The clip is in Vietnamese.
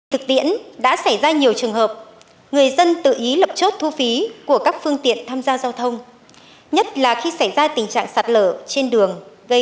thực tiễn đã xảy ra nhiều trường hợp người dân tự ý lập chốt thu phí của các phương tiện tham gia giao thông nhất là khi xảy ra tình trạng sạt lở trên đường